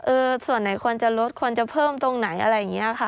ส่วนไหนควรจะลดควรจะเพิ่มตรงไหนอะไรอย่างนี้ค่ะ